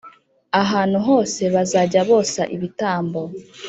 Ahantu hose bazajya bosa ibitambo